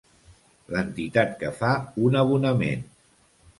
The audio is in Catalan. L'entitat que fa un abonament.